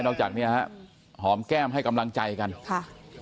จากเนี้ยฮะหอมแก้มให้กำลังใจกันค่ะ